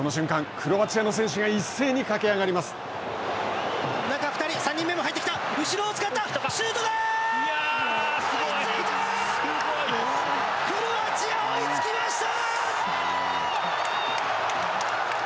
クロアチア、追いつきました！